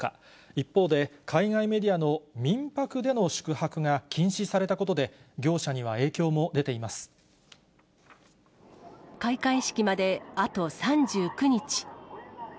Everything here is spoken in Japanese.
一方で海外メディアの民泊での宿泊が禁止されたことで、開会式まであと３９日。